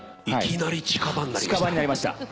いきなり近場になりました。